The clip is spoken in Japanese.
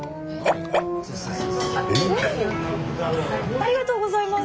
ありがとうございます。